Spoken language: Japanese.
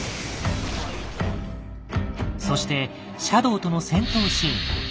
そしてシャドウとの戦闘シーン。